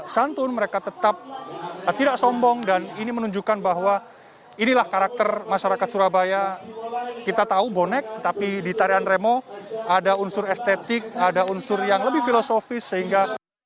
santun mereka tetap tidak sombong dan ini menunjukkan bahwa inilah karakter masyarakat surabaya kita tahu bonek tapi di tarian remo ada unsur estetik ada unsur yang lebih filosofis sehingga